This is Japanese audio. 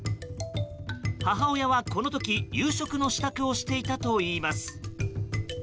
母親はこの時、夕食の支度をしていたといいます。